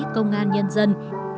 công an nhân dân